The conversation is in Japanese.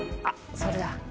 あっそれだ。